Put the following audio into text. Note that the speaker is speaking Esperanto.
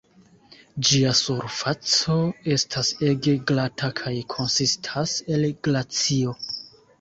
Ĝia surfaco estas ege glata kaj konsistas el glacio.